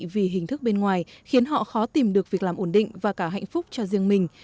vì hình thức bên ngoài khiến họ khó tìm được việc làm ổn định và cả hạnh phúc cho riêng mình